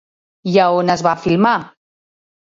I a on es va filmar?